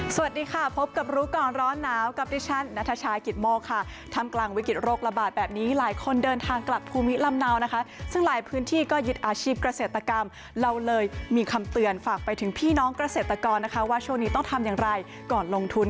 สวัสดีค่ะพบกับรู้ก่อนร้อนหนาวกับดิฉันนัทชายกิตโมกค่ะทำกลางวิกฤตโรคระบาดแบบนี้หลายคนเดินทางกลับภูมิลำเนานะคะซึ่งหลายพื้นที่ก็ยึดอาชีพเกษตรกรรมเราเลยมีคำเตือนฝากไปถึงพี่น้องเกษตรกรนะคะว่าช่วงนี้ต้องทำอย่างไรก่อนลงทุน